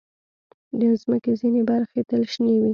د مځکې ځینې برخې تل شنې وي.